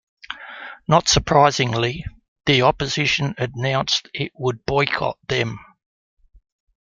Not surprisingly, the opposition announced it would boycott them.